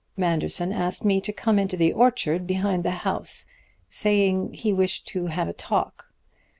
Manderson asked me to come into the orchard behind the house, saying he wished to have a talk.